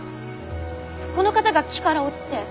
この方が木から落ちて。